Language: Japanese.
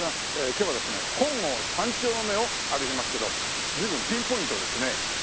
今日はですね本郷三丁目を歩きますけど随分ピンポイントですね。